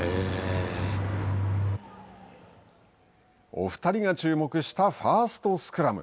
お二人が注目したファーストスクラム。